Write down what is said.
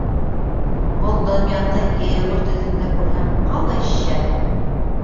Был донъяны йәйғор төҫөндә күрһәң ҡалай шәп?!.